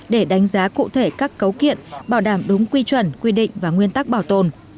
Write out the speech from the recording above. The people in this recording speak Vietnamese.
để đánh giá cụ thể các cấu kiện bảo đảm đúng quy chuẩn quy định và nguyên tắc bảo tồn